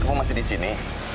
kamu masih disini